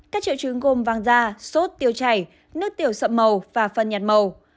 các triệu chứng gồm vàng da sốt tiêu chảy nước tiểu sậm màu và phân nhạt màu